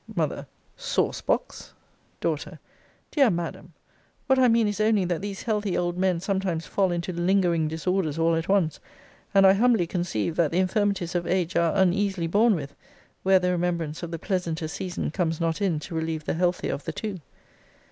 M. Saucebox! D. Dear Madam! What I mean is only that these healthy old men sometimes fall into lingering disorders all at once. And I humbly conceive, that the infirmities of age are uneasily borne with, where the remembrance of the pleasanter season comes not in to relieve the healthier of the two.